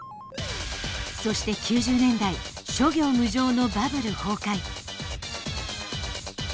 そして９０年代諸行無常のバブル崩壊。